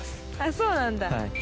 そうなんだ。